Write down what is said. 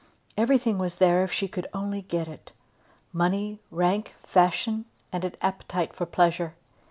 Everything was there if she could only get it; money, rank, fashion, and an appetite for pleasure.